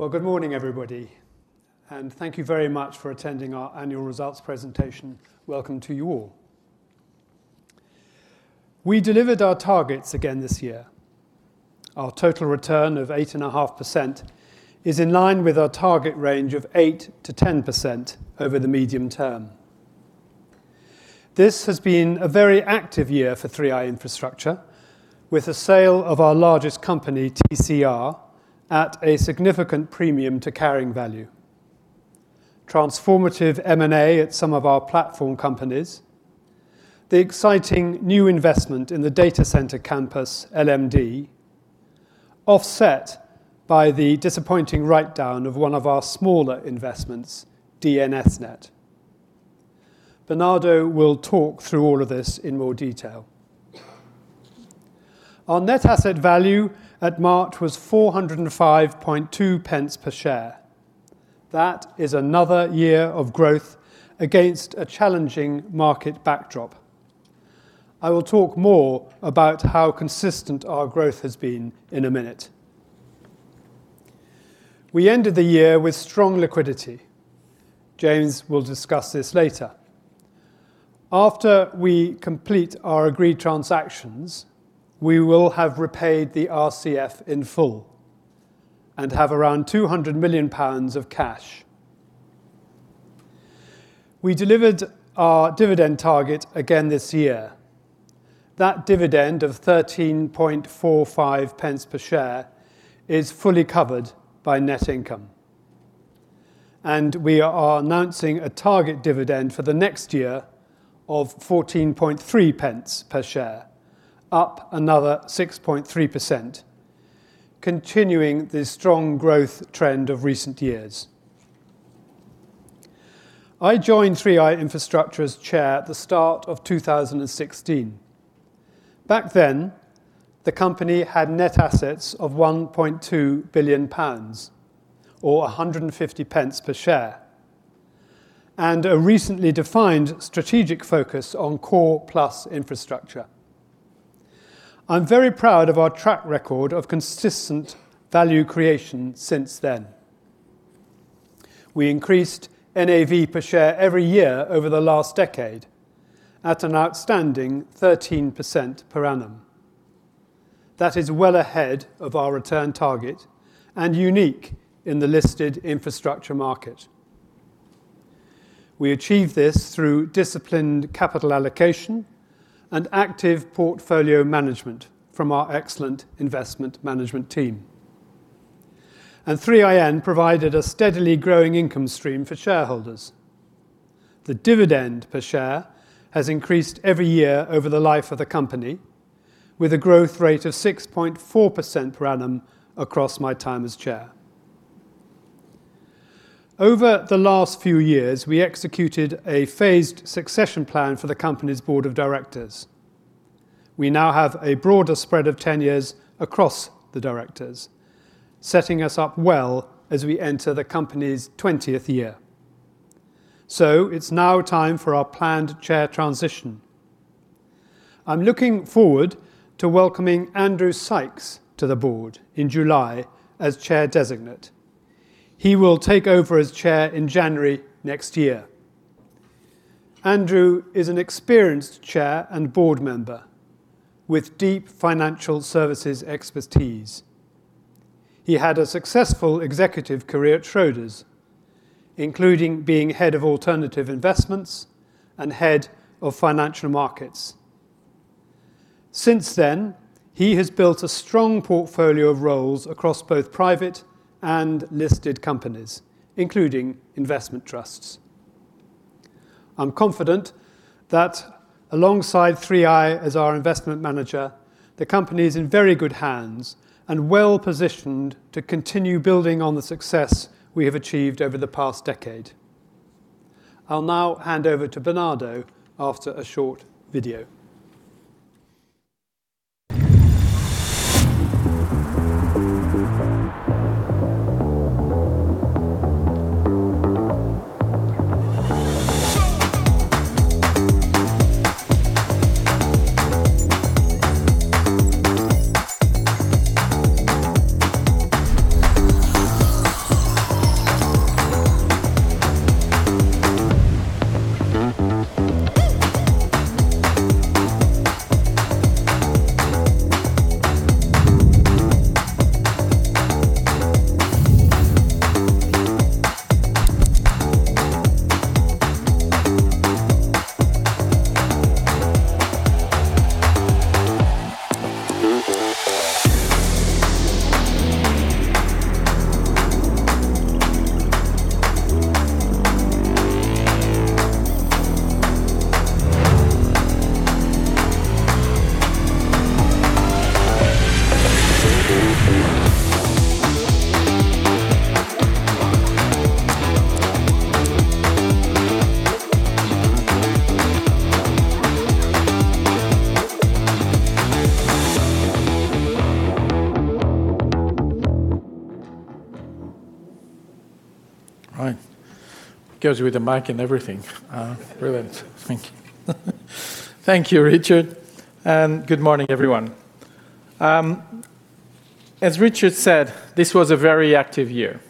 Well, good morning everybody, and thank you very much for attending our annual results presentation. Welcome to you all. We delivered our targets again this year. Our total return of 8.5% is in line with our target range of 8%-10% over the medium term. This has been a very active year for 3i Infrastructure, with the sale of our largest company, TCR, at a significant premium to carrying value. Transformative M&A at some of our platform companies. The exciting new investment in the data center Campus LMD, offset by the disappointing write-down of one of our smaller investments, DNS:NET. Bernardo will talk through all of this in more detail. Our net asset value at March was 405.2 pence per share. That is another year of growth against a challenging market backdrop. I will talk more about how consistent our growth has been in a minute. We ended the year with strong liquidity. James will discuss this later. After we complete our agreed transactions, we will have repaid the RCF in full and have around 200 million pounds of cash. We delivered our dividend target again this year. That dividend of 0.1345 per share is fully covered by net income. We are announcing a target dividend for the next year of 0.143 per share, up another 6.3%, continuing the strong growth trend of recent years. I joined 3i Infrastructure as Chair at the start of 2016. Back then, the company had net assets of 1.2 billion pounds, or 1.50 per share, and a recently defined strategic focus on core plus infrastructure. I'm very proud of our track record of consistent value creation since then. We increased NAV per share every year over the last decade at an outstanding 13% per annum. That is well ahead of our return target and unique in the listed infrastructure market. We achieved this through disciplined capital allocation and active portfolio management from our excellent investment management team. 3IN provided a steadily growing income stream for shareholders. The dividend per share has increased every year over the life of the company, with a growth rate of 6.4% per annum across my time as Chair. Over the last few years, we executed a phased succession plan for the company's board of directors. We now have a broader spread of tenures across the directors, setting us up well as we enter the company's twentieth year. It's now time for our planned Chair transition. I'm looking forward to welcoming Andrew Sykes to the board in July as Chair Designate. He will take over as Chair in January next year. Andrew is an experienced chair and board member with deep financial services expertise. He had a successful executive career at Schroders, including being Head of Alternative Investments and Head of Financial Markets. Since then, he has built a strong portfolio of roles across both private and listed companies, including investment trusts. I'm confident that alongside 3i as our investment manager, the company is in very good hands and well-positioned to continue building on the success we have achieved over the past decade. I'll now hand over to Bernardo after a short video. Right. Goes with the mic and everything. Brilliant. Thank you. Thank you, Richard. Good morning, everyone. As Richard said, this was a very active year.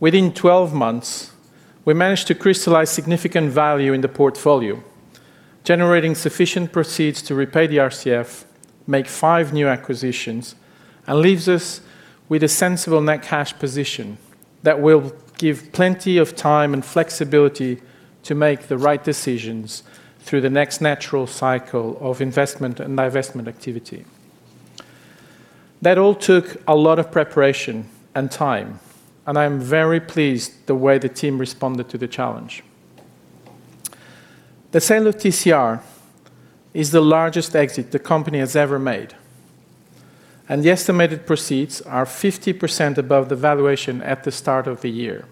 Within 12 months, we managed to crystallize significant value in the portfolio, generating sufficient proceeds to repay the RCF, make 5 new acquisitions, and leaves us with a sensible net cash position that will give plenty of time and flexibility to make the right decisions through the next natural cycle of investment and divestment activity. That all took a lot of preparation and time. I am very pleased the way the team responded to the challenge. The sale of TCR is the largest exit the company has ever made. The estimated proceeds are 50% above the valuation at the start of the year.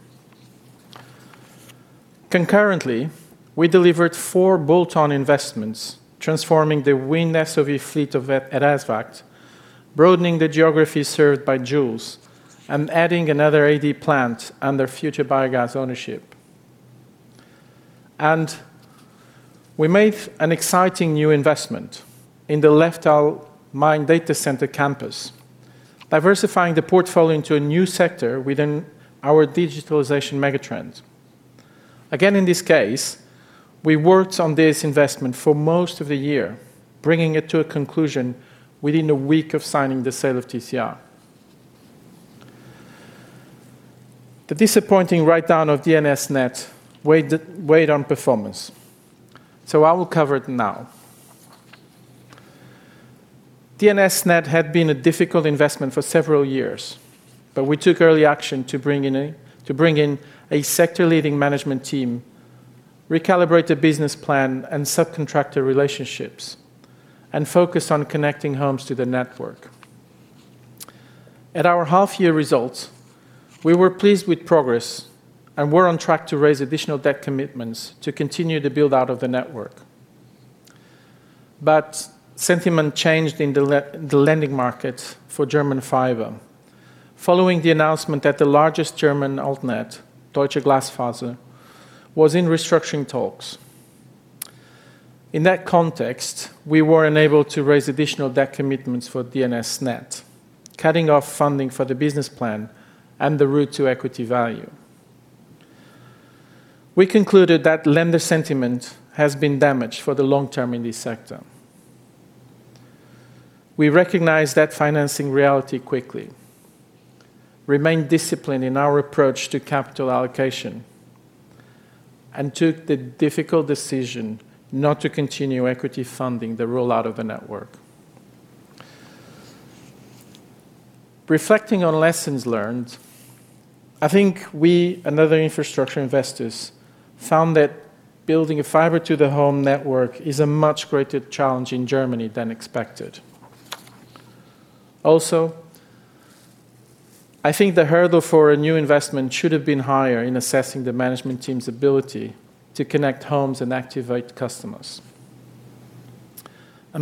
Concurrently, we delivered four bolt-on investments, transforming the wind SOV fleet at ESVAGT, broadening the geography served by Joulz, and adding another AD plant under Future Biogas ownership. We made an exciting new investment in the Lefdal Mine Datacenter campus, diversifying the portfolio into a new sector within our digitalization megatrend. Again, in this case, we worked on this investment for most of the year, bringing it to a conclusion within a week of signing the sale of TCR. The disappointing write-down of DNS:NET weighed on performance, I will cover it now. DNS:NET had been a difficult investment for several years, we took early action to bring in a sector-leading management team, recalibrate the business plan and subcontractor relationships, and focus on connecting homes to the network. At our half-year results, we were pleased with progress and were on track to raise additional debt commitments to continue the build-out of the network. Sentiment changed in the lending market for German fiber following the announcement that the largest German Altnet, Deutsche Glasfaser, was in restructuring talks. In that context, we were unable to raise additional debt commitments for DNS:NET, cutting off funding for the business plan and the route to equity value. We concluded that lender sentiment has been damaged for the long term in this sector. We recognized that financing reality quickly, remained disciplined in our approach to capital allocation, and took the difficult decision not to continue equity funding the rollout of the network. Reflecting on lessons learned, I think we and other infrastructure investors found that building a fiber to the home network is a much greater challenge in Germany than expected. I think the hurdle for a new investment should have been higher in assessing the management team's ability to connect homes and activate customers.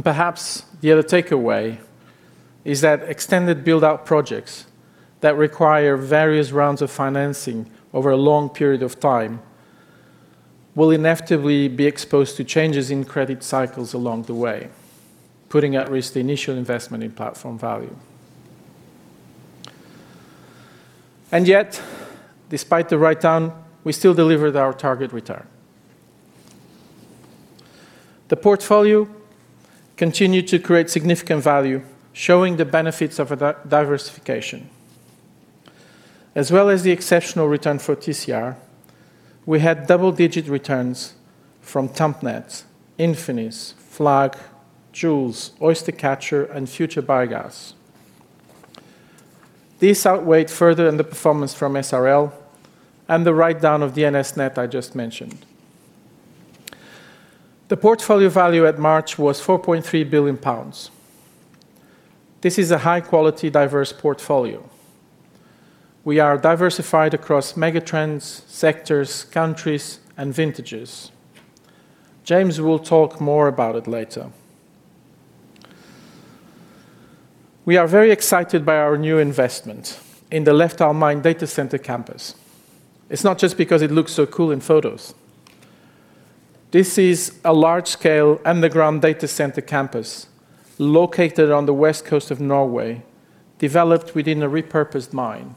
Perhaps the other takeaway is that extended build-out projects that require various rounds of financing over a long period of time will inevitably be exposed to changes in credit cycles along the way, putting at risk the initial investment in platform value. Yet, despite the write-down, we still delivered our target return. The portfolio continued to create significant value, showing the benefits of a diversification, as well as the exceptional return for TCR. We had double-digit returns from Tampnet, Infinis, FLAG, Joulz, Oystercatcher, and Future Biogas. These outweighed further in the performance from SRL and the write-down of DNS:NET I just mentioned. The portfolio value at March was 4.3 billion pounds. This is a high-quality, diverse portfolio. We are diversified across megatrends, sectors, countries, and vintages. James will talk more about it later. We are very excited by our new investment in the Lefdal Mine Datacenter campus. It's not just because it looks so cool in photos. This is a large-scale underground datacenter campus located on the west coast of Norway, developed within a repurposed mine.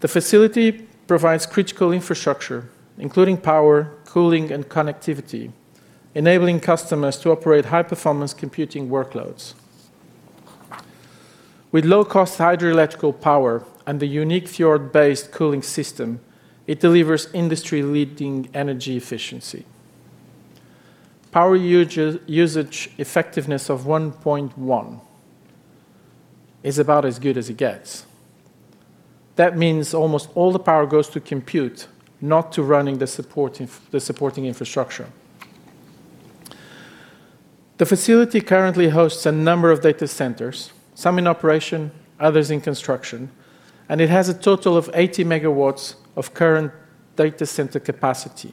The facility provides critical infrastructure, including power, cooling, and connectivity, enabling customers to operate high-performance computing workloads. With low-cost hydroelectric power and a unique fjord-based cooling system, it delivers industry-leading energy efficiency. Power usage effectiveness of 1.1 is about as good as it gets. That means almost all the power goes to compute, not to running the supporting infrastructure. The facility currently hosts a number of data centers, some in operation, others in construction. It has a total of 80 MW of current data center capacity,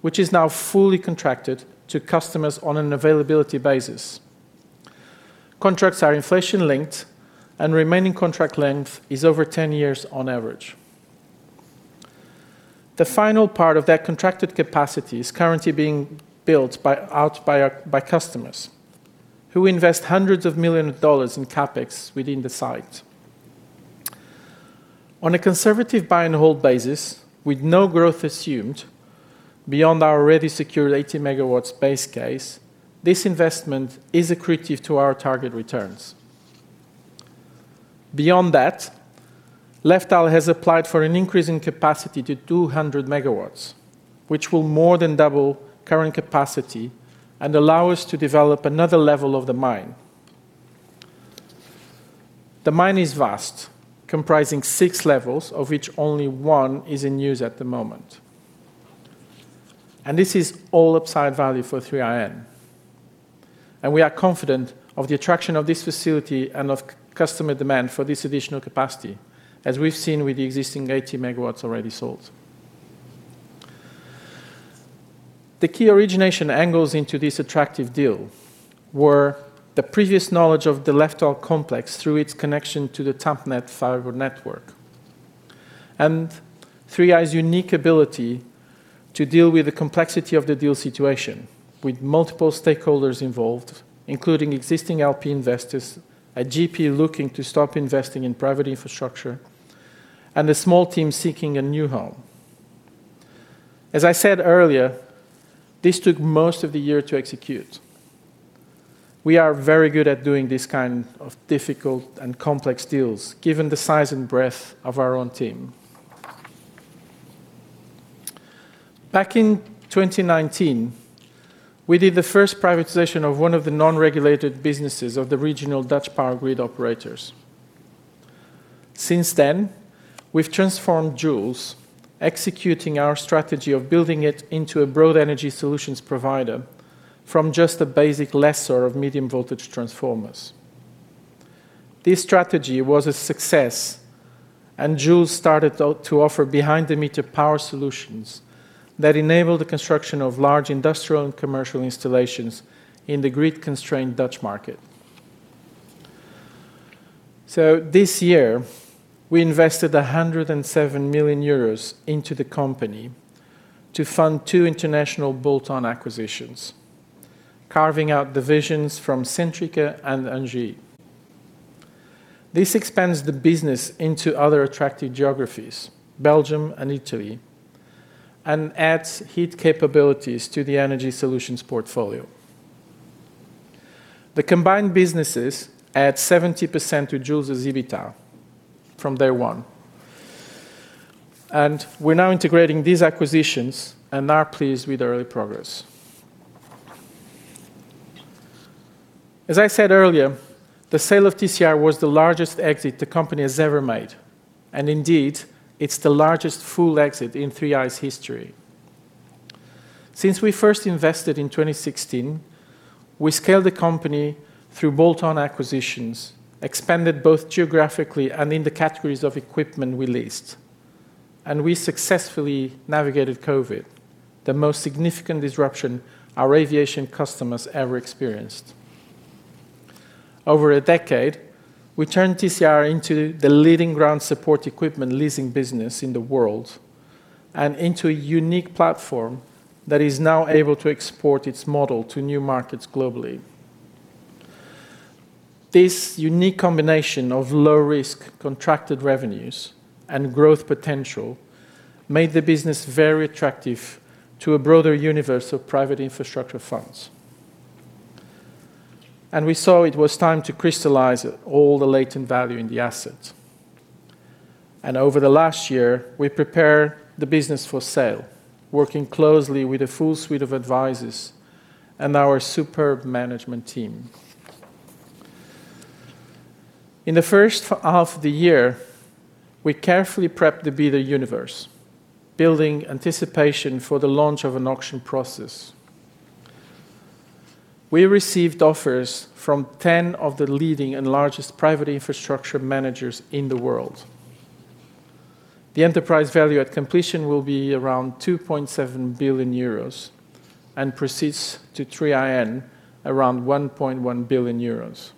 which is now fully contracted to customers on an availability basis. Remaining contract length is over 10 years on average. The final part of that contracted capacity is currently being built by customers who invest $hundreds of millions in CapEx within the site. On a conservative buy and hold basis with no growth assumed beyond our already secured 80 MW base case, this investment is accretive to our target returns. Beyond that, Lefdal has applied for an increase in capacity to 200 MW, which will more than double current capacity and allow us to develop another level of the mine. The mine is vast, comprising six levels, of which only one is in use at the moment. This is all upside value for 3iN. We are confident of the attraction of this facility and of customer demand for this additional capacity, as we've seen with the existing 80 megawatts already sold. The key origination angles into this attractive deal were the previous knowledge of the Lefdal complex through its connection to the Tampnet fiber network and 3i's unique ability to deal with the complexity of the deal situation with multiple stakeholders involved, including existing LP investors, a GP looking to stop investing in private infrastructure and a small team seeking a new home. As I said earlier, this took most of the year to execute. We are very good at doing this kind of difficult and complex deals, given the size and breadth of our own team. Back in 2019, we did the first privatization of one of the non-regulated businesses of the regional Dutch power grid operators. Since then, we've transformed Joulz, executing our strategy of building it into a broad energy solutions provider from just a basic lessor of medium voltage transformers. This strategy was a success, Joulz started to offer behind the meter power solutions that enable the construction of large industrial and commercial installations in the grid-constrained Dutch market. This year we invested 107 million euros into the company to fund two international bolt-on acquisitions, carving out divisions from Centrica and Engie. This expands the business into other attractive geographies, Belgium and Italy, and adds heat capabilities to the energy solutions portfolio. The combined businesses add 70% to Joulz's EBITDA from day one, we're now integrating these acquisitions and are pleased with the early progress. As I said earlier, the sale of TCR was the largest exit the company has ever made, and indeed it's the largest full exit in 3i's history. Since we first invested in 2016, we scaled the company through bolt-on acquisitions, expanded both geographically and in the categories of equipment we leased, and we successfully navigated Covid, the most significant disruption our aviation customers ever experienced. Over a decade, we turned TCR into the leading ground support equipment leasing business in the world and into a unique platform that is now able to export its model to new markets globally. This unique combination of low risk contracted revenues and growth potential made the business very attractive to a broader universe of private infrastructure funds. We saw it was time to crystallize all the latent value in the assets. Over the last year, we prepared the business for sale, working closely with a full suite of advisors and our superb management team. In the first half of the year, we carefully prepped the bidder universe, building anticipation for the launch of an auction process. We received offers from 10 of the leading and largest private infrastructure managers in the world. The enterprise value at completion will be around 2.7 billion euros and proceeds to 3iN around 1.1 billion euros.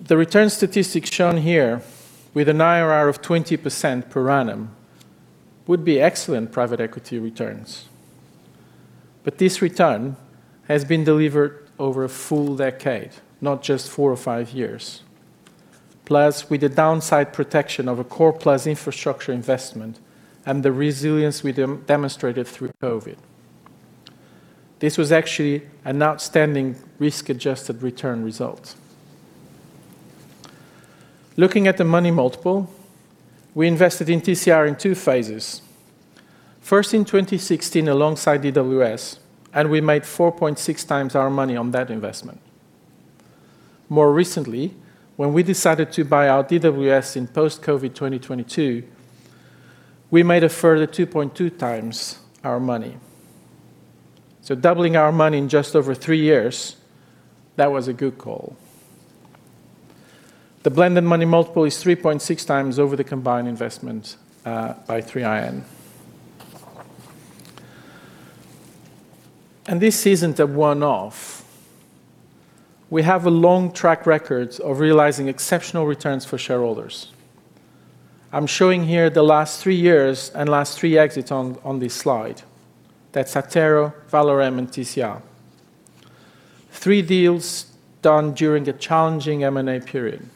The return statistics shown here with an IRR of 20% per annum would be excellent private equity returns. This return has been delivered over a full decade, not just four or five years. With the downside protection of a core plus infrastructure investment and the resilience we demonstrated through COVID. This was actually an outstanding risk-adjusted return result. Looking at the money multiple, we invested in TCR in two phases. First in 2016 alongside DWS, we made 4.6 times our money on that investment. More recently, when we decided to buy out DWS in post-Covid 2022, we made a further 2.2 times our money. Doubling our money in just over three years, that was a good call. The blended money multiple is 3.6 times over the combined investment by 3iN. This isn't a one-off. We have a long track record of realizing exceptional returns for shareholders. I'm showing here the last three years and last three exits on this slide. That's Attero, Valorem, and TCR. Three deals done during a challenging M&A period.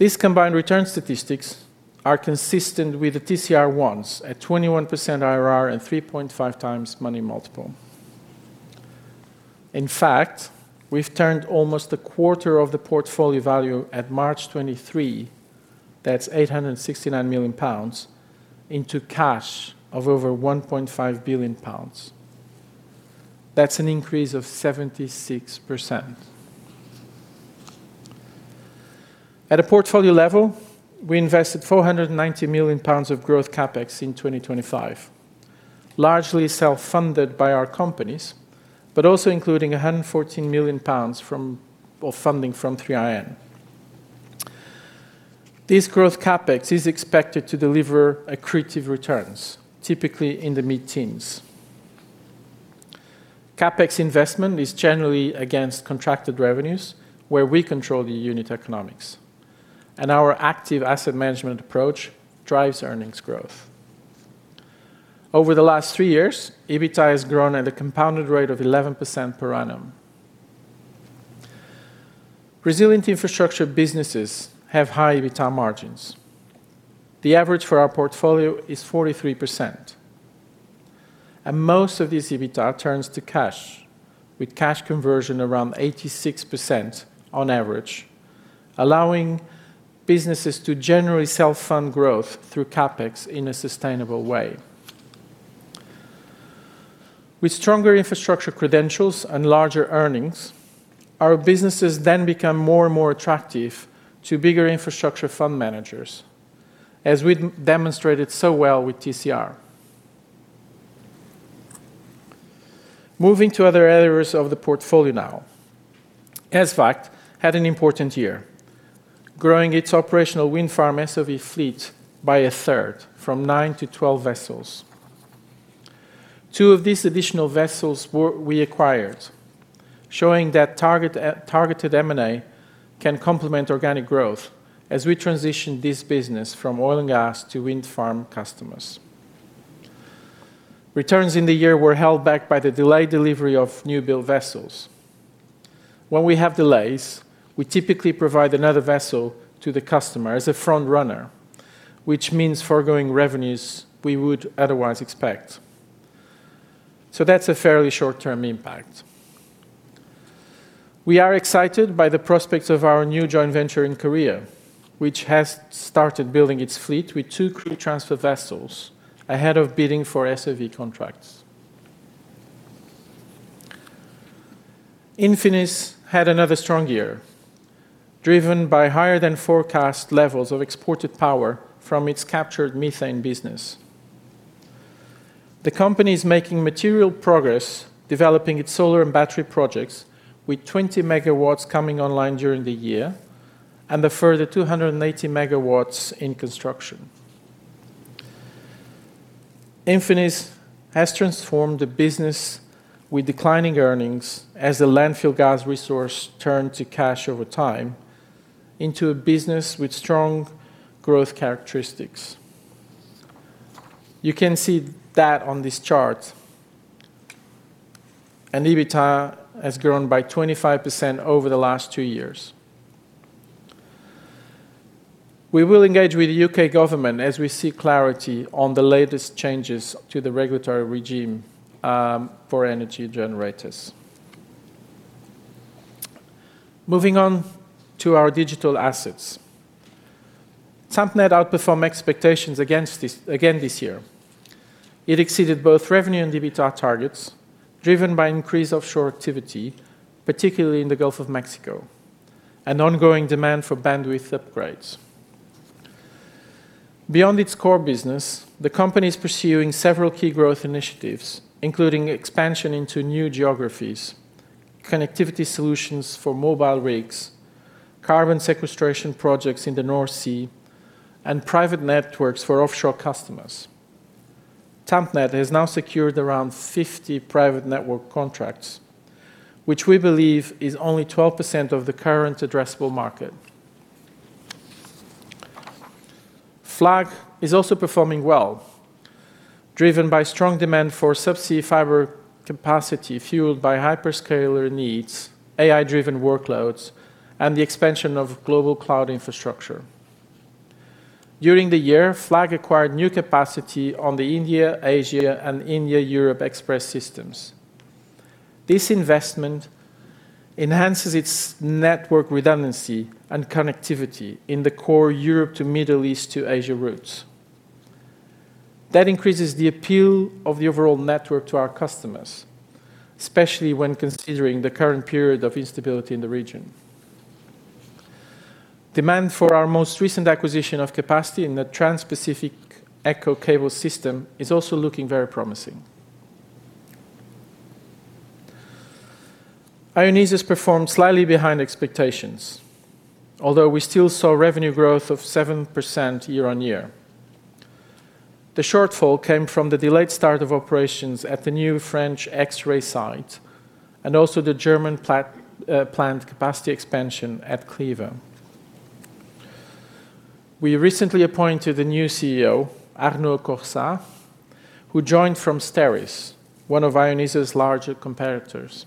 These combined return statistics are consistent with the TCR ones at 21% IRR and 3.5 times money multiple. In fact, we've turned almost a quarter of the portfolio value at March 2023, that's 869 million pounds, into cash of over 1.5 billion pounds. That's an increase of 76%. At a portfolio level, we invested 490 million pounds of growth CapEx in 2025, largely self-funded by our companies, but also including 114 million pounds from funding from 3iN. This growth CapEx is expected to deliver accretive returns, typically in the mid-teens. CapEx investment is generally against contracted revenues where we control the unit economics, our active asset management approach drives earnings growth. Over the last three years, EBITDA has grown at a compounded rate of 11% per annum. Resilient infrastructure businesses have high EBITDA margins. The average for our portfolio is 43%. Most of this EBITDA turns to cash, with cash conversion around 86% on average, allowing businesses to generally self-fund growth through CapEx in a sustainable way. With stronger infrastructure credentials and larger earnings, our businesses then become more and more attractive to bigger infrastructure fund managers, as we demonstrated so well with TCR. Moving to other areas of the portfolio now. ESVAGT had an important year, growing its operational wind farm SOV fleet by a third from nine to 12 vessels. Two of these additional vessels were we acquired, showing that target targeted M&A can complement organic growth as we transition this business from oil and gas to wind farm customers. Returns in the year were held back by the delayed delivery of new-build vessels. When we have delays, we typically provide another vessel to the customer as a frontrunner, which means foregoing revenues we would otherwise expect. That's a fairly short-term impact. We are excited by the prospects of our new joint venture in Korea, which has started building its fleet with two crew transfer vessels ahead of bidding for SOV contracts. Infinis had another strong year, driven by higher than forecast levels of exported power from its captured methane business. The company is making material progress developing its solar and battery projects, with 20 MW coming online during the year and a further 280 MW in construction. Infinis has transformed the business with declining earnings as the landfill gas resource turned to cash over time into a business with strong growth characteristics. You can see that on this chart. EBITDA has grown by 25% over the last two years. We will engage with the U.K. government as we seek clarity on the latest changes to the regulatory regime for energy generators. Moving on to our digital assets. Tampnet outperformed expectations again this year. It exceeded both revenue and EBITDA targets, driven by increased offshore activity, particularly in the Gulf of Mexico, and ongoing demand for bandwidth upgrades. Beyond its core business, the company is pursuing several key growth initiatives, including expansion into new geographies, connectivity solutions for mobile rigs, carbon sequestration projects in the North Sea, and private networks for offshore customers. Tampnet has now secured around 50 private network contracts, which we believe is only 12% of the current addressable market. FLAG is also performing well, driven by strong demand for subsea fiber capacity fueled by hyperscaler needs, AI-driven workloads, and the expansion of global cloud infrastructure. During the year, FLAG acquired new capacity on the India-Asia-Xpress and India-Europe-Xpress systems. This investment enhances its network redundancy and connectivity in the core Europe to Middle East to Asia routes. That increases the appeal of the overall network to our customers, especially when considering the current period of instability in the region. Demand for our most recent acquisition of capacity in the Trans-Pacific Echo Cable System is also looking very promising. Ionisos performed slightly behind expectations, although we still saw revenue growth of 7% year-on-year. The shortfall came from the delayed start of operations at the new French X-ray site and also the German plant capacity expansion at Kleve. We recently appointed a new CEO, Arnaud Corsat, who joined from STERIS, one of Ionisos' larger competitors.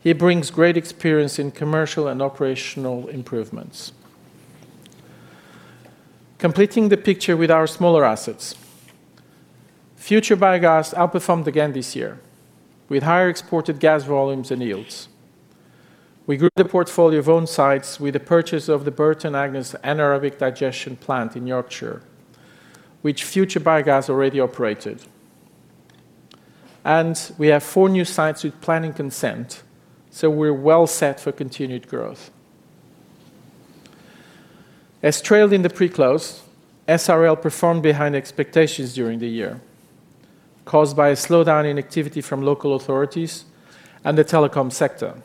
He brings great experience in commercial and operational improvements. Completing the picture with our smaller assets, Future Biogas outperformed again this year with higher exported gas volumes and yields. We grew the portfolio of own sites with the purchase of the Burton Agnes Anaerobic Digestion plant in Yorkshire, which Future Biogas already operated. We have four new sites with planning consent, so we're well set for continued growth. As trailed in the pre-close, SRL performed behind expectations during the year caused by a slowdown in activity from local authorities and the telecom sector,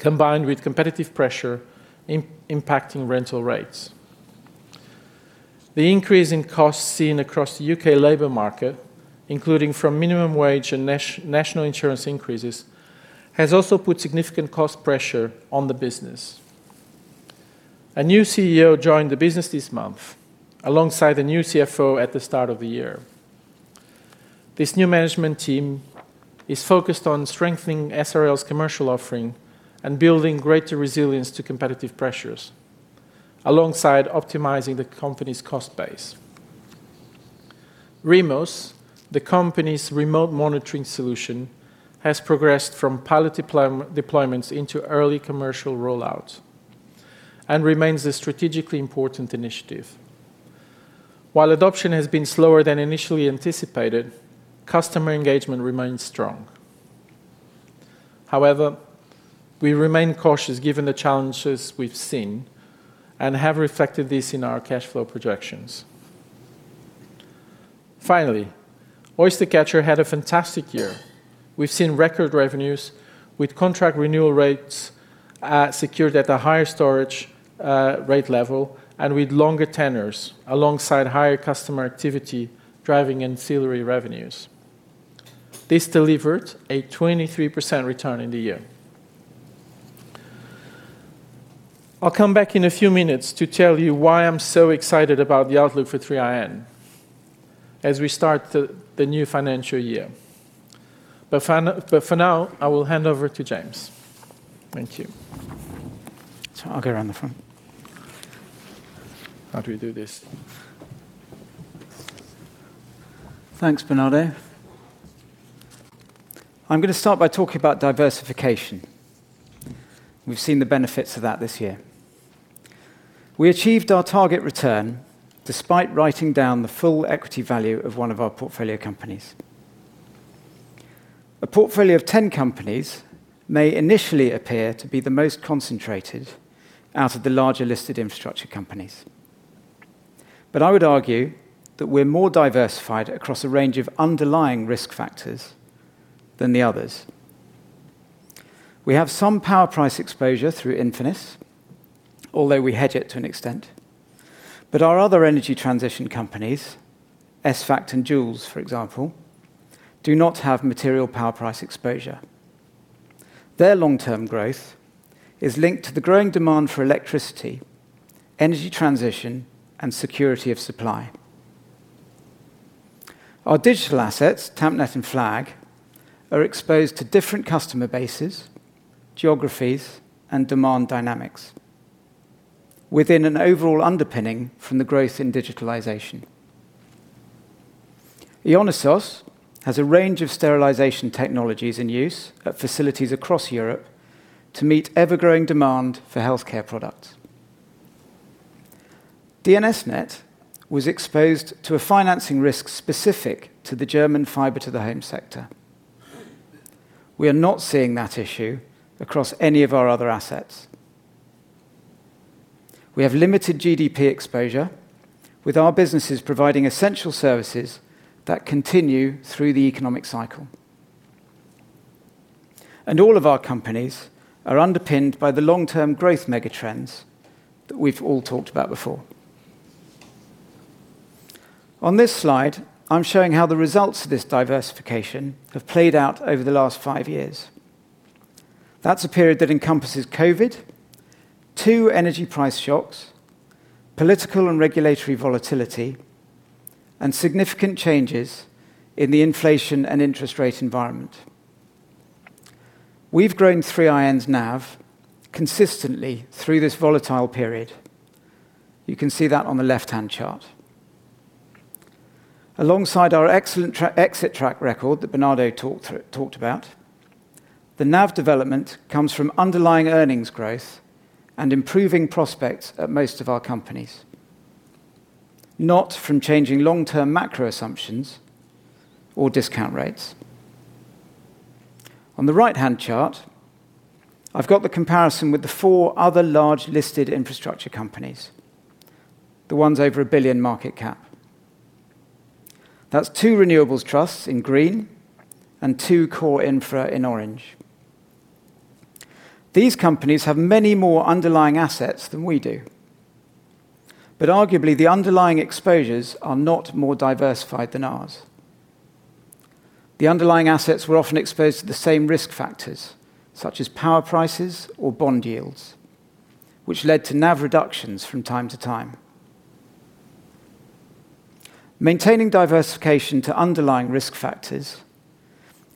combined with competitive pressure impacting rental rates. The increase in costs seen across the U.K. labor market, including from minimum wage and national insurance increases, has also put significant cost pressure on the business. A new CEO joined the business this month alongside a new CFO at the start of the year. This new management team is focused on strengthening SRL's commercial offering and building greater resilience to competitive pressures alongside optimizing the company's cost base. REMOS, the company's remote monitoring solution, has progressed from pilot deployments into early commercial rollout and remains a strategically important initiative. While adoption has been slower than initially anticipated, customer engagement remains strong. However, we remain cautious given the challenges we've seen and have reflected this in our cash flow projections. Finally, Oystercatcher had a fantastic year. We've seen record revenues with contract renewal rates secured at a higher storage rate level and with longer tenors, alongside higher customer activity driving ancillary revenues. This delivered a 23% return in the year. I'll come back in a few minutes to tell you why I'm so excited about the outlook for 3iN as we start the new financial year. For now, I will hand over to James. Thank you. I'll go around the front. How do we do this? Thanks, Bernardo. I'm gonna start by talking about diversification. We've seen the benefits of that this year. We achieved our target return despite writing down the full equity value of one of our portfolio companies. A portfolio of 10 companies may initially appear to be the most concentrated out of the larger listed infrastructure companies. I would argue that we're more diversified across a range of underlying risk factors than the others. We have some power price exposure through Infinis, although we hedge it to an extent. Our other energy transition companies, ESVAGT and Joulz, for example, do not have material power price exposure. Their long-term growth is linked to the growing demand for electricity, energy transition, and security of supply. Our digital assets, Tampnet and FLAG, are exposed to different customer bases, geographies, and demand dynamics within an overall underpinning from the growth in digitalization. Ionisos has a range of sterilization technologies in use at facilities across Europe to meet ever-growing demand for healthcare products. DNS:NET was exposed to a financing risk specific to the German fiber to the home sector. We are not seeing that issue across any of our other assets. We have limited GDP exposure with our businesses providing essential services that continue through the economic cycle. All of our companies are underpinned by the long-term growth mega trends that we've all talked about before. On this slide, I'm showing how the results of this diversification have played out over the last 5 years. That's a period that encompasses COVID, 2 energy price shocks, political and regulatory volatility, and significant changes in the inflation and interest rate environment. We've grown 3IN's NAV consistently through this volatile period. You can see that on the left-hand chart. Alongside our excellent exit track record that Bernardo talked about, the NAV development comes from underlying earnings growth and improving prospects at most of our companies, not from changing long-term macro assumptions or discount rates. On the right-hand chart, I've got the comparison with the four other large listed infrastructure companies. The ones over 1 billion market cap. That's two renewables trusts in green and two core infra in orange. These companies have many more underlying assets than we do, arguably the underlying exposures are not more diversified than ours. The underlying assets were often exposed to the same risk factors, such as power prices or bond yields, which led to NAV reductions from time to time. Maintaining diversification to underlying risk factors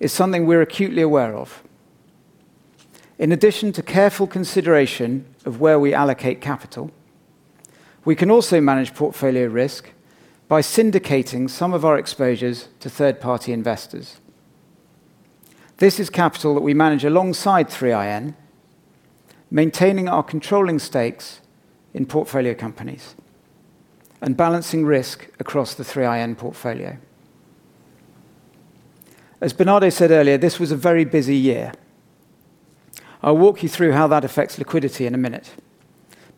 is something we're acutely aware of. In addition to careful consideration of where we allocate capital, we can also manage portfolio risk by syndicating some of our exposures to third-party investors. This is capital that we manage alongside 3iN, maintaining our controlling stakes in portfolio companies and balancing risk across the 3iN portfolio. As Bernardo said earlier, this was a very busy year. I'll walk you through how that affects liquidity in a minute.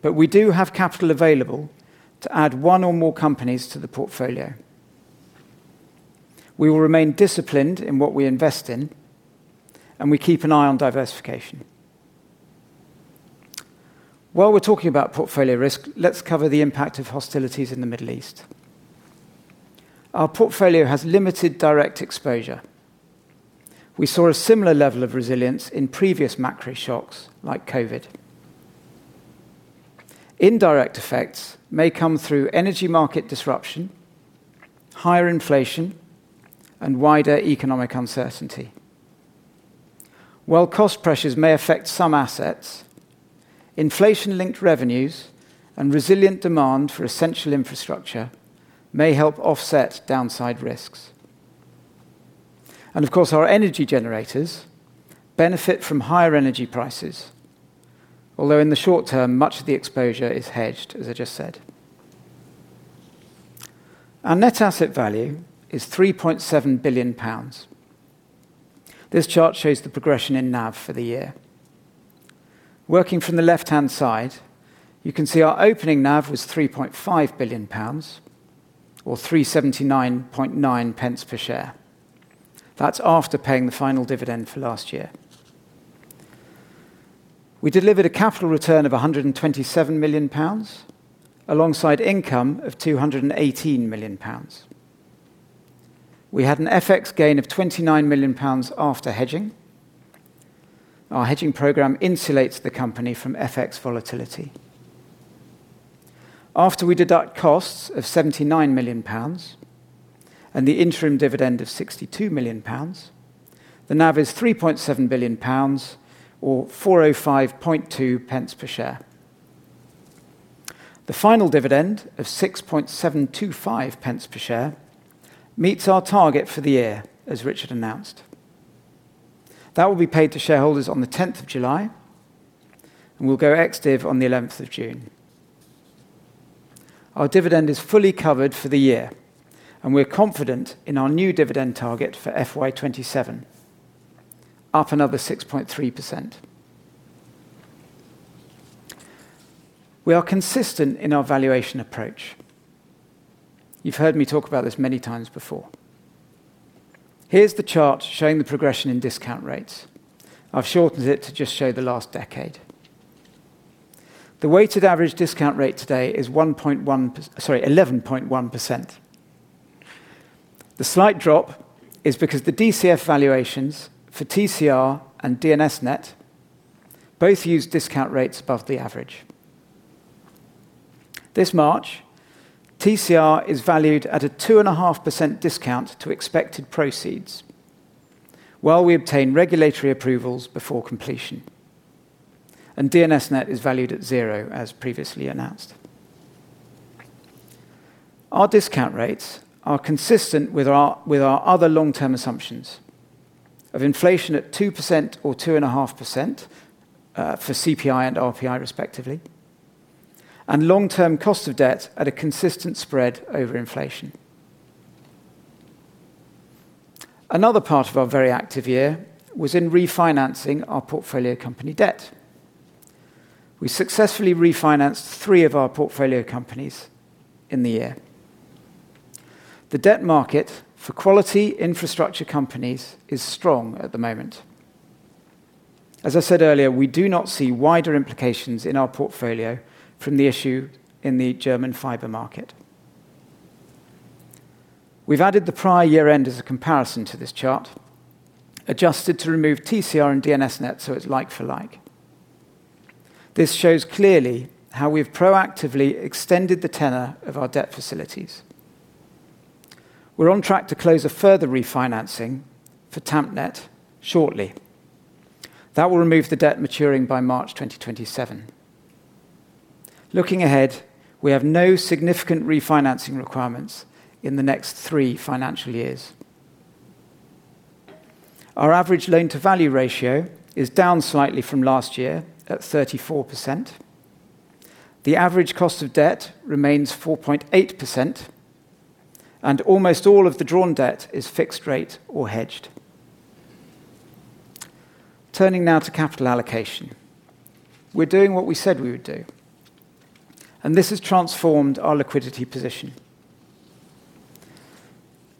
We do have capital available to add one or more companies to the portfolio. We will remain disciplined in what we invest in, and we keep an eye on diversification. While we're talking about portfolio risk, let's cover the impact of hostilities in the Middle East. Our portfolio has limited direct exposure. We saw a similar level of resilience in previous macro shocks like COVID. Indirect effects may come through energy market disruption, higher inflation, and wider economic uncertainty. While cost pressures may affect some assets, inflation-linked revenues and resilient demand for essential infrastructure may help offset downside risks. Of course, our energy generators benefit from higher energy prices, although in the short term, much of the exposure is hedged, as I just said. Our net asset value is 3.7 billion pounds. This chart shows the progression in NAV for the year. Working from the left-hand side, you can see our opening NAV was 3.5 billion pounds, or 3.799 per share. That's after paying the final dividend for last year. We delivered a capital return of 127 million pounds alongside income of 218 million pounds. We had an FX gain of 29 million pounds after hedging. Our hedging program insulates the company from FX volatility. After we deduct costs of 79 million pounds and the interim dividend of 62 million pounds, the NAV is 3.7 billion pounds, or 4.052 per share. The final dividend of 0.06725 per share meets our target for the year, as Richard announced. That will be paid to shareholders on the 10th of July, and we'll go ex-div on the 11th of June. Our dividend is fully covered for the year, and we're confident in our new dividend target for FY 2027, up another 6.3%. We are consistent in our valuation approach. You've heard me talk about this many times before. Here's the chart showing the progression in discount rates. I've shortened it to just show the last decade. The weighted average discount rate today is 11.1%. The slight drop is because the DCF valuations for TCR and DNS:NET both use discount rates above the average. This March, TCR is valued at a 2.5% discount to expected proceeds. While we obtain regulatory approvals before completion. DNS:NET is valued at 0, as previously announced. Our discount rates are consistent with our other long-term assumptions of inflation at 2% or 2.5%, for CPI and RPI respectively, and long-term cost of debt at a consistent spread over inflation. Another part of our very active year was in refinancing our portfolio company debt. We successfully refinanced three of our portfolio companies in the year. The debt market for quality infrastructure companies is strong at the moment. As I said earlier, we do not see wider implications in our portfolio from the issue in the German fiber market. We've added the prior year-end as a comparison to this chart, adjusted to remove TCR and DNS:NET so it's like for like. This shows clearly how we've proactively extended the tenor of our debt facilities. We're on track to close a further refinancing for Tampnet shortly. That will remove the debt maturing by March 2027. Looking ahead, we have no significant refinancing requirements in the next three financial years. Our average loan-to-value ratio is down slightly from last year at 34%. The average cost of debt remains 4.8%. Almost all of the drawn debt is fixed rate or hedged. Turning now to capital allocation. We're doing what we said we would do. This has transformed our liquidity position.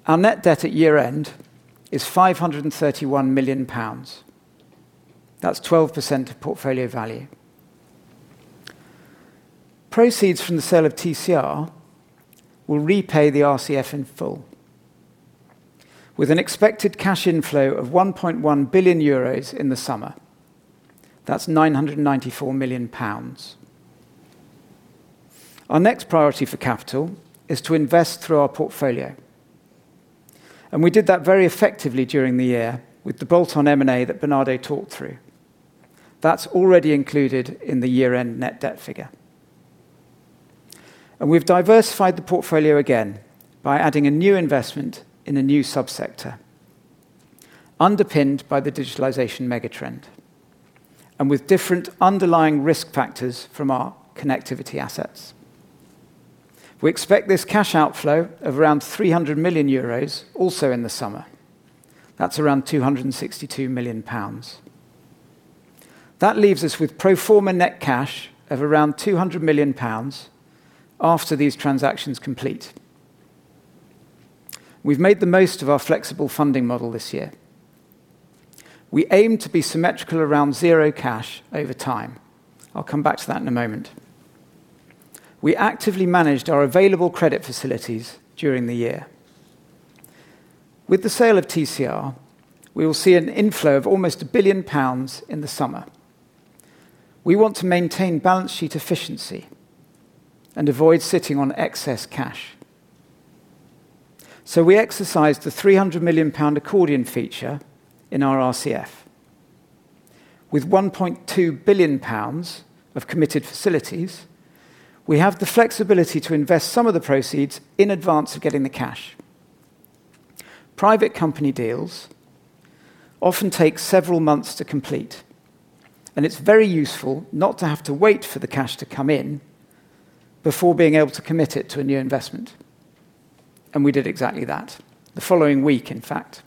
Our net debt at year-end is 531 million pounds. That's 12% of portfolio value. Proceeds from the sale of TCR will repay the RCF in full, with an expected cash inflow of 1.1 billion euros in the summer. That's 994 million pounds. Our next priority for capital is to invest through our portfolio. We did that very effectively during the year with the bolt-on M&A that Bernardo talked through. That's already included in the year-end net debt figure. We've diversified the portfolio again by adding a new investment in a new sub-sector, underpinned by the digitalization mega-trend and with different underlying risk factors from our connectivity assets. We expect this cash outflow of around 300 million euros also in the summer. That's around 262 million pounds. That leaves us with pro forma net cash of around 200 million pounds after these transactions complete. We've made the most of our flexible funding model this year. We aim to be symmetrical around zero cash over time. I'll come back to that in a moment. We actively managed our available credit facilities during the year. With the sale of TCR, we will see an inflow of almost 1 billion pounds in the summer. We want to maintain balance sheet efficiency and avoid sitting on excess cash. We exercised the 300 million pound accordion feature in our RCF. With 1.2 billion pounds of committed facilities, we have the flexibility to invest some of the proceeds in advance of getting the cash. Private company deals often take several months to complete, it's very useful not to have to wait for the cash to come in before being able to commit it to a new investment. We did exactly that the following week, in fact,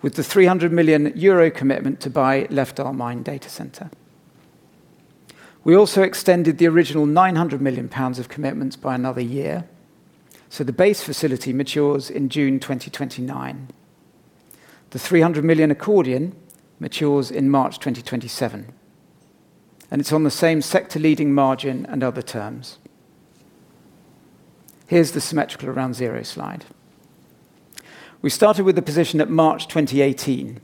with the 300 million euro commitment to buy Lefdal Mine Datacenter. We also extended the original 900 million pounds of commitments by another year, so the base facility matures in June 2029. The 300 million accordion matures in March 2027, and it's on the same sector-leading margin and other terms. Here's the symmetrical around zero slide. We started with the position at March 2018.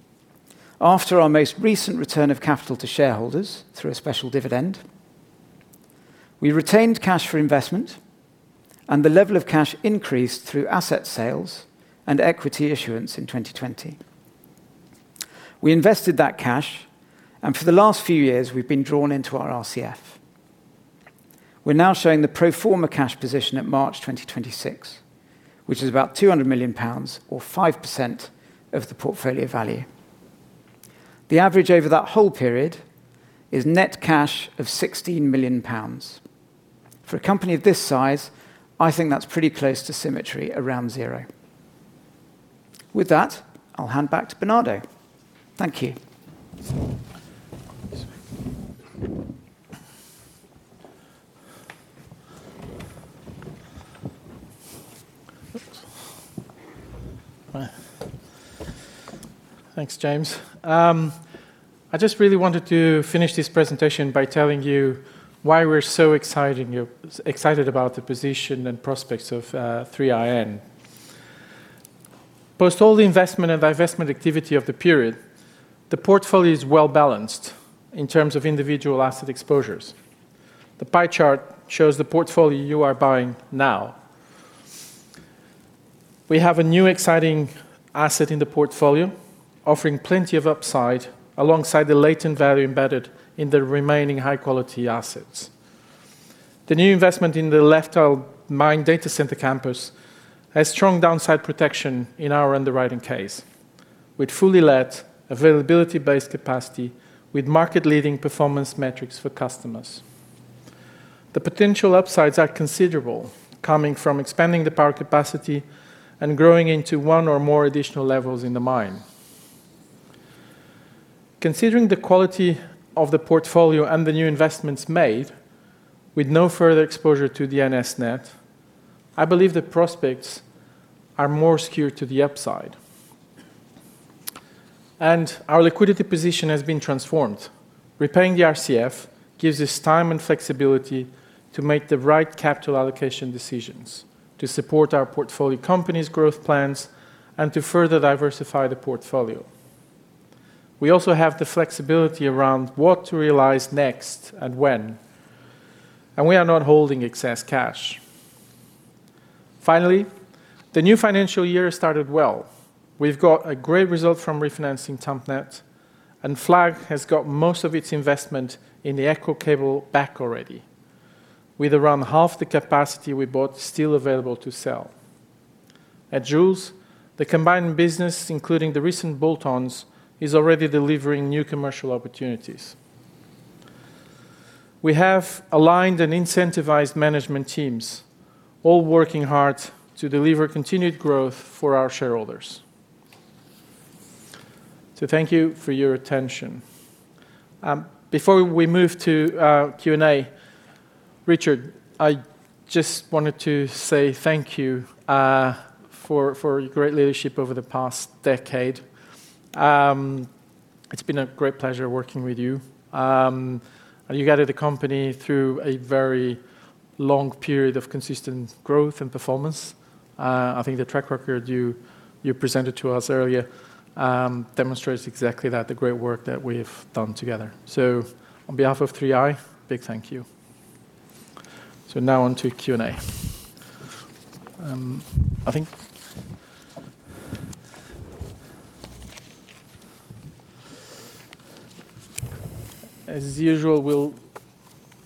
After our most recent return of capital to shareholders through a special dividend, we retained cash for investment and the level of cash increased through asset sales and equity issuance in 2020. We invested that cash, and for the last few years we've been drawn into our RCF. We're now showing the pro forma cash position at March 2026, which is about 200 million pounds or 5% of the portfolio value. The average over that whole period is net cash of 16 million pounds. For a company of this size, I think that's pretty close to symmetry around 0. With that, I'll hand back to Bernardo. Thank you. Thanks, James. I just really wanted to finish this presentation by telling you why we're so excited about the position and prospects of 3iN. Post all the investment and divestment activity of the period, the portfolio is well-balanced in terms of individual asset exposures. The pie chart shows the portfolio you are buying now. We have a new exciting asset in the portfolio, offering plenty of upside alongside the latent value embedded in the remaining high-quality assets. The new investment in the Lefdal Mine Datacenter campus has strong downside protection in our underwriting case, with fully let availability-based capacity with market-leading performance metrics for customers. The potential upsides are considerable, coming from expanding the power capacity and growing into one or more additional levels in the mine. Considering the quality of the portfolio and the new investments made with no further exposure to DNS:NET, I believe the prospects are more skewed to the upside. Our liquidity position has been transformed. Repaying the RCF gives us time and flexibility to make the right capital allocation decisions to support our portfolio company's growth plans and to further diversify the portfolio. We also have the flexibility around what to realize next and when, and we are not holding excess cash. Finally, the new financial year started well. We've got a great result from refinancing Tampnet, and FLAG has got most of its investment in the Echo Cable back already, with around half the capacity we bought still available to sell. At Joulz, the combined business, including the recent bolt-ons, is already delivering new commercial opportunities. We have aligned and incentivized management teams all working hard to deliver continued growth for our shareholders. Thank you for your attention. Before we move to Q&A, Richard, I just wanted to say thank you for your great leadership over the past decade. It's been a great pleasure working with you. You guided the company through a very long period of consistent growth and performance. I think the track record you presented to us earlier demonstrates exactly that, the great work that we've done together. On behalf of 3i, big thank you. Now on to Q&A. I think as usual,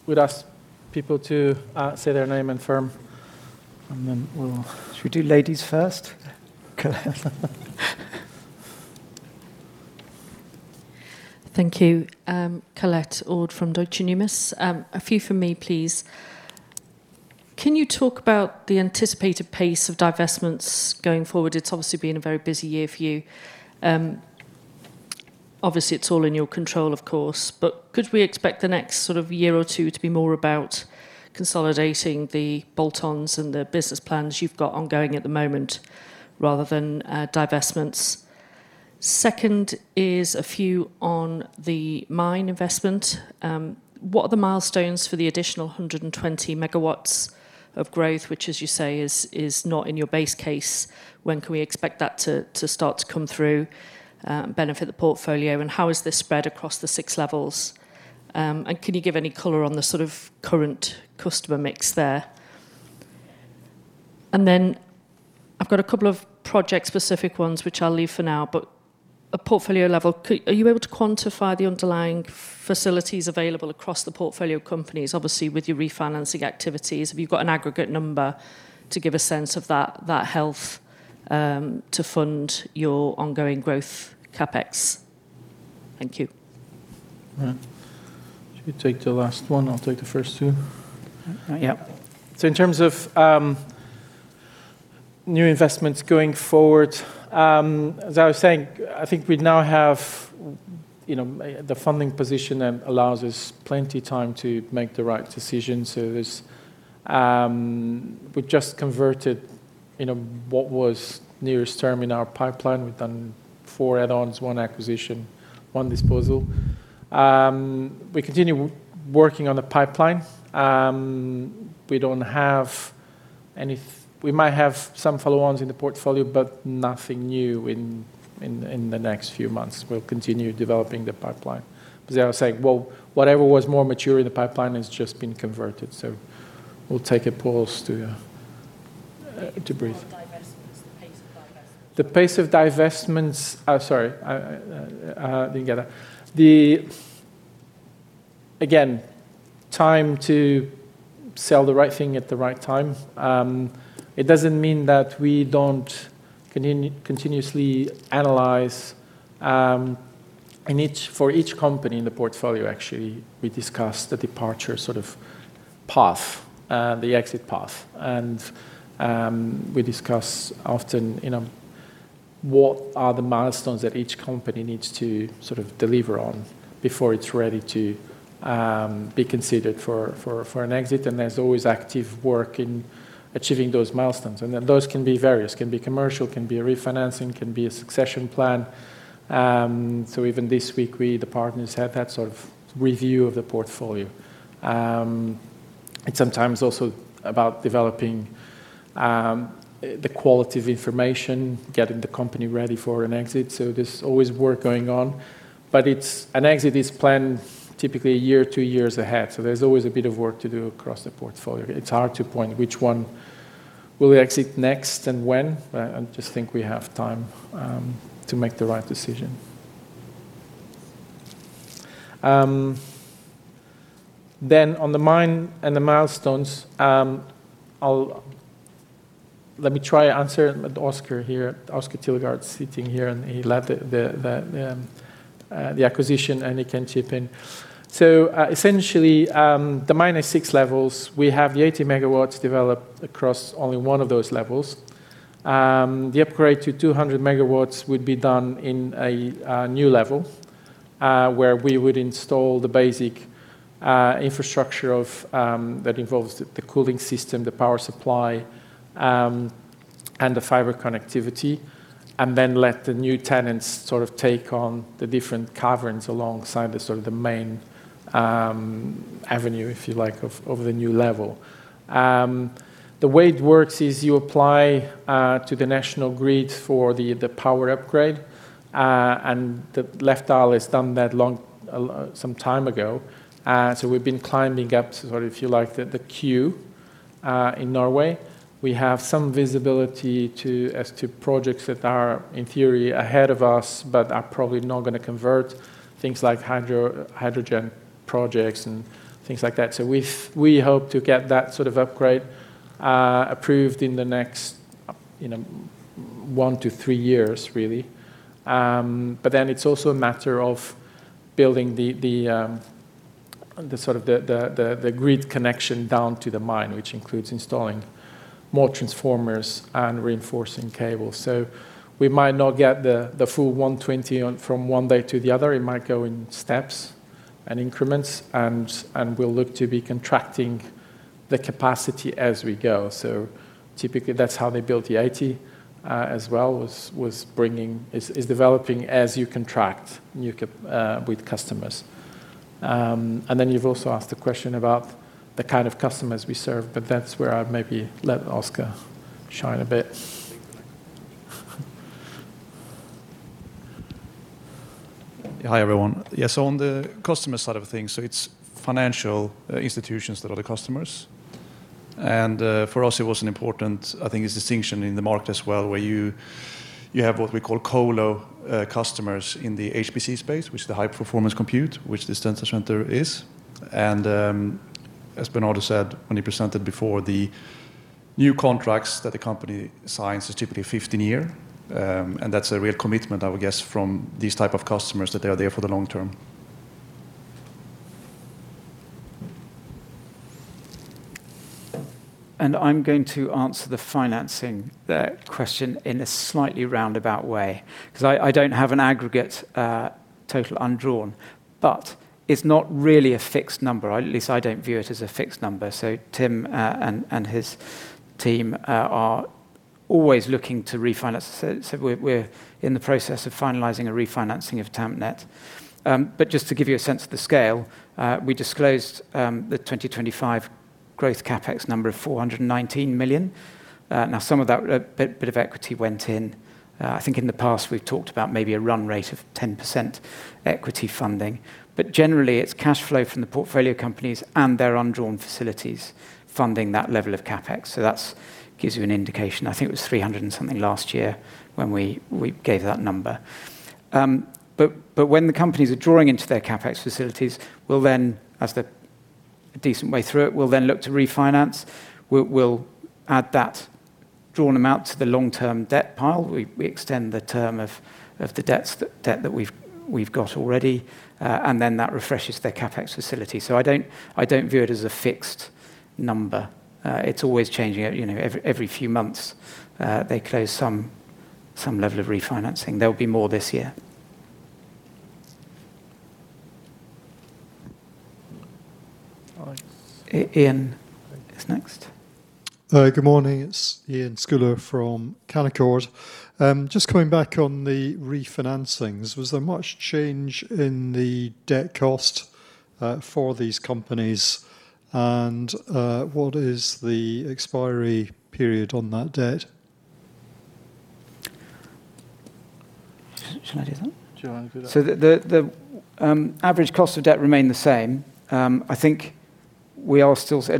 we'd ask people to say their name and firm, and then we'll. Should we do ladies first? Thank you. Colette Ord from Deutsche Numis. A few from me, please. Can you talk about the anticipated pace of divestments going forward? It has obviously been a very busy year for you. Obviously it is all in your control, of course. Could we expect the next sort of year or two to be more about consolidating the bolt-ons and the business plans you have got ongoing at the moment rather than divestments? Second is a few on the mine investment. What are the milestones for the additional 120 MW of growth, which as you say is not in your base case? When can we expect that to start to come through and benefit the portfolio? How is this spread across the 6 levels? Can you give any color on the sort of current customer mix there? I've got a couple of project specific ones, which I'll leave for now. At portfolio level, are you able to quantify the underlying facilities available across the portfolio companies? Obviously, with your refinancing activities, have you got an aggregate number to give a sense of that health, to fund your ongoing growth CapEx? Thank you. Right. Should we take the last two? I'll take the first two. Yeah. In terms of new investments going forward, as I was saying, I think we now have, you know, the funding position allows us plenty time to make the right decisions. We've just converted, you know, what was nearest term in our pipeline. We've done four add-ons, one acquisition, one disposal. We continue working on the pipeline. We might have some follow-ons in the portfolio, but nothing new in the next few months. We'll continue developing the pipeline. As I was saying, well whatever was more mature in the pipeline has just been converted, so we'll take a pause to breathe. On divestments, the pace of divestments. The pace of divestments Oh, sorry. I didn't get that. Again, time to sell the right thing at the right time. It doesn't mean that we don't continuously analyze, for each company in the portfolio, actually, we discuss the departure sort of path, the exit path. We discuss often, you know, what are the milestones that each company needs to sort of deliver on before it's ready to be considered for an exit. There's always active work in achieving those milestones, those can be various. Can be commercial, can be a refinancing, can be a succession plan. Even this week, we, the partners, had that sort of review of the portfolio. It's sometimes also about developing the quality of information, getting the company ready for an exit, there's always work going on. An exit is planned typically a year or two years ahead, there's always a bit of work to do across the portfolio. It's hard to point which one will we exit next and when. I just think we have time to make the right decision. On the mine and the milestones, Let me try answer, but Oscar here, Oscar Tylegård sitting here, and he led the acquisition, and he can chip in. Essentially, the mine has six levels. We have the 80 megawatts developed across only one of those levels. The upgrade to 200 MW would be done in a new level, where we would install the basic infrastructure of that involves the cooling system, the power supply, and the fiber connectivity. Let the new tenants sort of take on the different caverns alongside the sort of the main avenue, if you like, of the new level. The way it works is you apply to the National Grid for the power upgrade, and Lefdal has done that long some time ago. We've been climbing up sort of, if you like, the queue in Norway. We have some visibility to, as to projects that are, in theory, ahead of us, but are probably not gonna convert things like hydro, hydrogen projects and things like that. We hope to get that sort of upgrade approved in the next, you know, one to three years really. It's also a matter of building the grid connection down to the mine, which includes installing more transformers and reinforcing cables. We might not get the full 120 on from one day to the other. It might go in steps and increments, and we'll look to be contracting the capacity as we go. Typically that's how they built the 80 as well, was developing as you contract new capacity with customers. You've also asked the question about the kind of customers we serve, that's where I would maybe let Oscar shine a bit. Hi, everyone. Yeah, on the customer side of things, it's financial institutions that are the customers. For us it was an important, I think, distinction in the market as well, where you have what we call colocation customers in the HPC space, which is the high performance compute, which this data center is. As Bernardo said when he presented before, the new contracts that the company signs is typically a 15 year. That's a real commitment, I would guess, from these type of customers that they are there for the long term. I'm going to answer the financing, the question in a slightly roundabout way, 'cause I don't have an aggregate total undrawn, but it's not really a fixed number, or at least I don't view it as a fixed number. Tim, and his team, are always looking to refinance. We're in the process of finalizing a refinancing of Tampnet. Just to give you a sense of the scale, we disclosed the 2025 growth CapEx number of 419 million. Now some of that, a bit of equity went in. I think in the past we've talked about maybe a run rate of 10% equity funding. Generally it's cash flow from the portfolio companies and their undrawn facilities funding that level of CapEx. That gives you an indication. I think it was 300 and something last year when we gave that number. When the companies are drawing into their CapEx facilities, we'll then, as the decent way through it, we'll then look to refinance. We'll add that drawn amount to the long-term debt pile. We extend the term of the debts that we've got already. Then that refreshes their CapEx facility. I don't view it as a fixed number. It's always changing. You know, every few months, they close some level of refinancing. There'll be more this year. All right. Iain is next. Good morning. It's Iain Scouller from Canaccord. Just coming back on the refinancings, was there much change in the debt cost for these companies? What is the expiry period on that debt? Should I do that? Do you wanna do that? The average cost of debt remained the same. It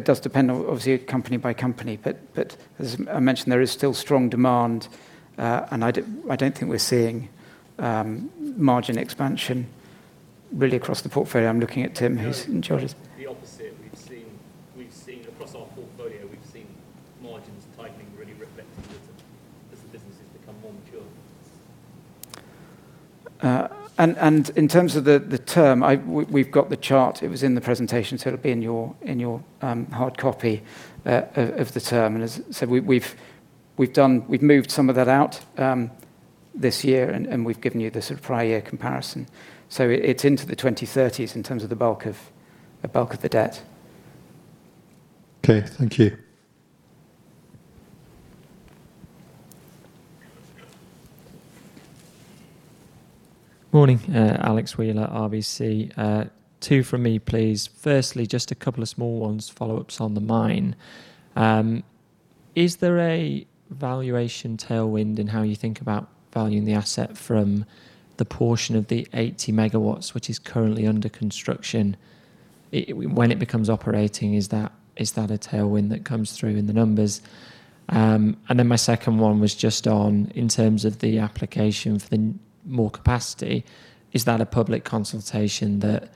does depend obviously company by company, but as I mentioned, there is still strong demand. I don't think we're seeing margin expansion really across the portfolio. I'm looking at Tim, who's in charge of- No, the opposite. We've seen across our portfolio, we've seen margins tightening really reflecting as the businesses become more mature. In terms of the term, we've got the chart. It was in the presentation, so it'll be in your hard copy of the term. As said, we've moved some of that out this year, and we've given you the sort of prior year comparison. It's into the 2030s in terms of the bulk of the debt. Okay, thank you. Morning. Alex Wheeler, RBC. Two from me, please. Firstly, just a couple of small ones, follow-ups on the mine. Is there a valuation tailwind in how you think about valuing the asset from the portion of the 80 MW, which is currently under construction? When it becomes operating, is that a tailwind that comes through in the numbers? My second one was just on, in terms of the application for the more capacity, is that a public consultation that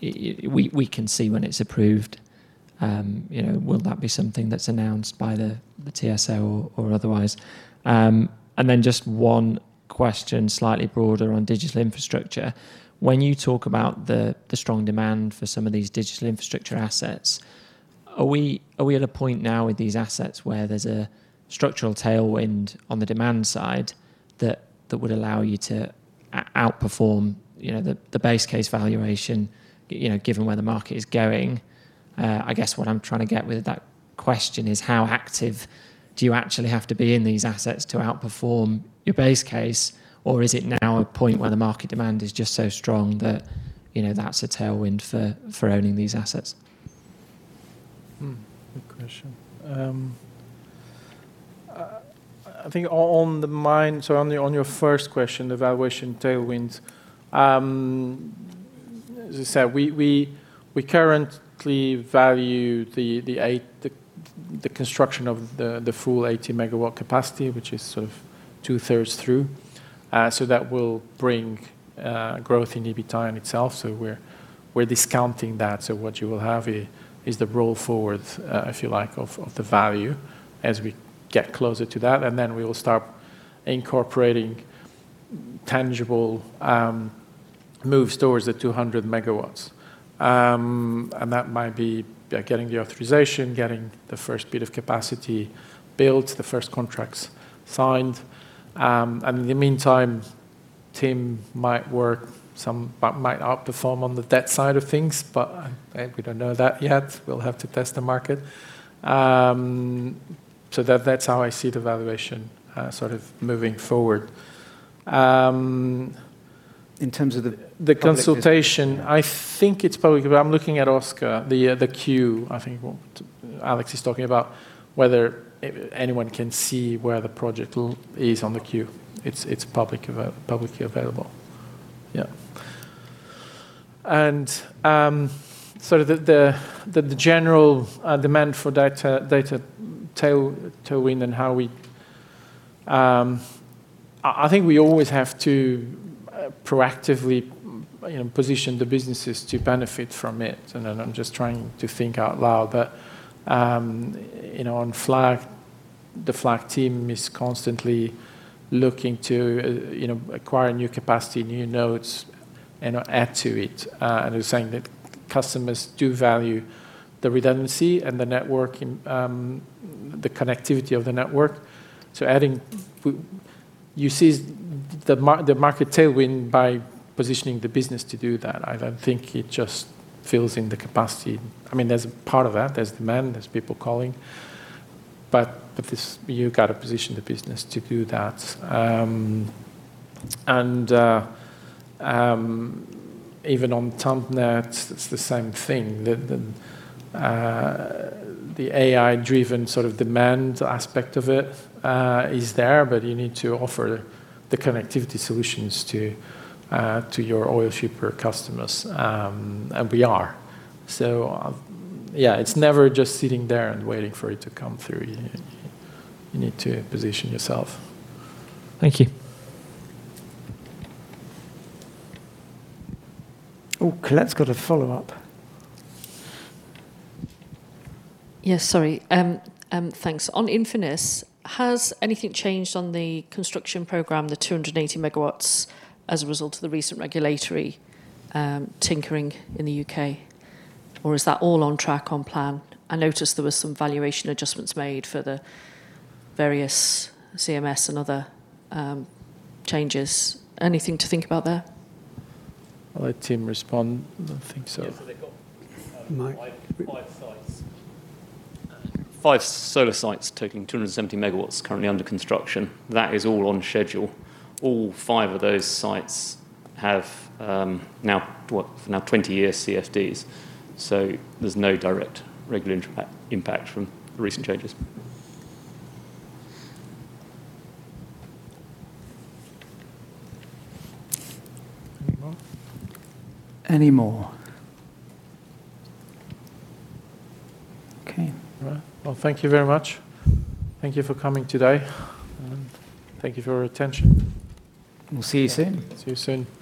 we can see when it's approved? You know, will that be something that's announced by the TSO or otherwise? Just one question slightly broader on digital infrastructure. When you talk about the strong demand for some of these digital infrastructure assets, are we at a point now with these assets where there's a structural tailwind on the demand side that would allow you to outperform, you know, the base case valuation, you know, given where the market is going? I guess what I'm trying to get with that question is how active do you actually have to be in these assets to outperform your base case, or is it now a point where the market demand is just so strong that, you know, that's a tailwind for owning these assets? Good question. I think on the mine, so on the, on your first question, the valuation tailwinds, as I said, we currently value the 80 megawatt capacity, which is sort of two-thirds through. That will bring growth in EBITDA in itself, so we're discounting that. What you will have is the roll forward, if you like, of the value as we get closer to that, and then we will start incorporating tangible moves towards the 200 megawatts. That might be, yeah, getting the authorization, getting the first bit of capacity built, the first contracts signed. In the meantime, team might work some, might outperform on the debt side of things, but we don't know that yet. We'll have to test the market. That's how I see the valuation, sort of moving forward. In terms of the public. The consultation, I think it's probably I'm looking at Oscar, the queue. I think what Alex is talking about, whether anyone can see where the project is on the queue. It's publicly available. Yeah. The general demand for data tailwind and how we, I think we always have to proactively, you know, position the businesses to benefit from it. Then I'm just trying to think out loud. You know, on FLAG, the FLAG team is constantly looking to, you know, acquire new capacity, new nodes and add to it. They're saying that customers do value the redundancy and the networking, the connectivity of the network. Adding You see the market tailwind by positioning the business to do that. I don't think it just fills in the capacity. I mean, there's a part of that. There's demand, there's people calling. At this, you gotta position the business to do that. Even on Tampnet, it's the same thing. The AI-driven sort of demand aspect of it is there, but you need to offer the connectivity solutions to your oil shipper customers. We are. Yeah, it's never just sitting there and waiting for it to come through. You need to position yourself. Thank you. Oh, Colette's got a follow-up. Yes, sorry. Thanks. On Infinis, has anything changed on the construction program, the 280 MW, as a result of the recent regulatory tinkering in the U.K.? Is that all on track, on plan? I noticed there was some valuation adjustments made for the various CMS and other changes. Anything to think about there? I'll let Tim respond. I don't think so. Yeah, they've got. Mike five sites. Five solar sites totaling 270 MW currently under construction. That is all on schedule. All five of those sites have, now, for now 20-year CFDs. There's no direct regulatory impact from the recent changes. Any more? Any more? Okay. All right. Well, thank you very much. Thank you for coming today, and thank you for your attention. We'll see you soon. See you soon.